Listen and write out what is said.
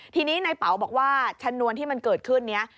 ทีนี้ในเป๋าบอกว่าชนวนที่มันเกิดขึ้นนี้